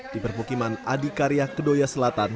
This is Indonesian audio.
di permukiman adikarya kedoya selatan